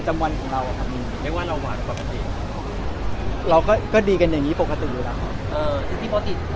จะลงที่นึงครับ